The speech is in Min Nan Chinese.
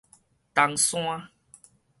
東山